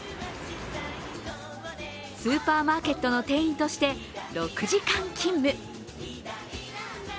スーパーマーケットの店員として６時間勤務。